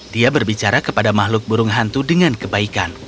dia berbicara kepada makhluk burung hantu dengan kebaikan